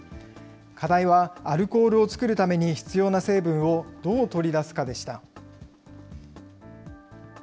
課題はアルコールを造るために必要な成分をどう取り出すかでした。